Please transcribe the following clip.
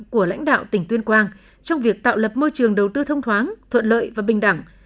của lãnh đạo tỉnh tuyên quang trong việc tạo lập môi trường đầu tư thông thoáng thuận lợi và bình đẳng